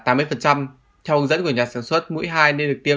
theo hướng dẫn của nhà sản xuất mũi hai nên được tiêm